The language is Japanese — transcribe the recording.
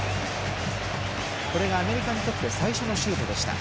これがアメリカにとって最初のシュート。